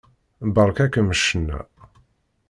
Beṛka-kem ccna.